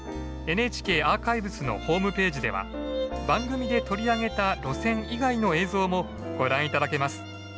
ＮＨＫアーカイブスのホームページでは番組で取り上げた路線以外の映像もご覧頂けます。